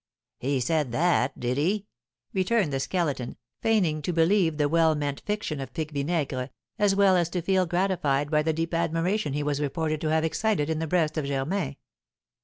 '" "He said that, did he?" returned the Skeleton, feigning to believe the well meant fiction of Pique Vinaigre, as well as to feel gratified by the deep admiration he was reported to have excited in the breast of Germain.